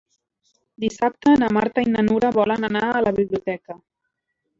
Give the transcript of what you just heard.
Dissabte na Marta i na Nura volen anar a la biblioteca.